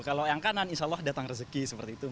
kalau yang kanan insya allah datang rezeki seperti itu